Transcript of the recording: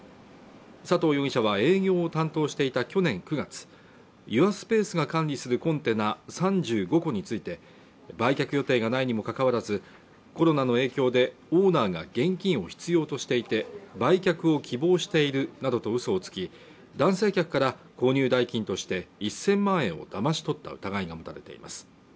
佐藤容疑者は営業を担当していた去年９月ユアスペースが管理するコンテナ３５個について、売却予定がないにもかかわらず、コロナの影響でオーナーが現金を必要としていて、売却を希望しているなどとうそをつき、男性客から購入代金として１０００万円をだまし取った疑いが持たれています。